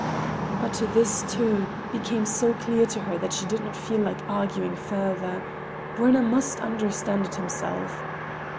But this, too, became so clear to her that she did not feel like arguing further—Werner must understand it himself.